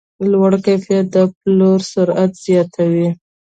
لوړ کیفیت د پلور سرعت زیاتوي.